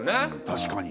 確かに。